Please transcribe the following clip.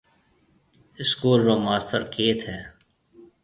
اسڪول رو ماستر ڪيٿ هيَ۔